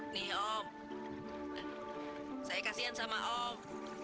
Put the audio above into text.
nih om saya kasian sama om